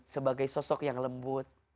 sebagai sosok yang lembut